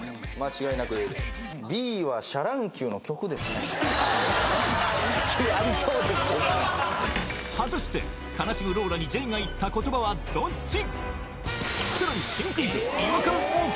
違う違うありそうですけど果たして悲しむローラにＪが言った言葉はどっち？